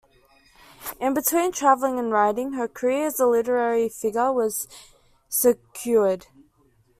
In between traveling and writing, her career as a literary figure was secured.